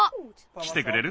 きてくれる？